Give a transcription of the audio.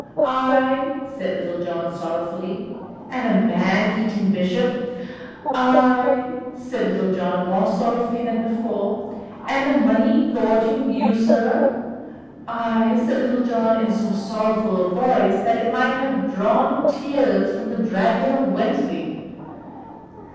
"Ay," said Little John sorrowfully. "And a man eating bishop?" "Ay," said Little John, more sorrowfully than before. "And a money gorging usurer?" "Ay," said Little John in so sorrowful a voice that it might have drawn tears from the Dragon of Wentley.